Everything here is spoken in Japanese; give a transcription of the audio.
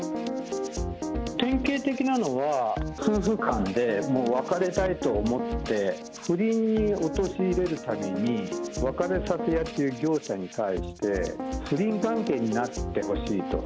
典型的なのは、夫婦間でもう別れたいと思って、不倫に陥れるために、別れさせ屋っていう業者に対して、不倫関係になってほしいと。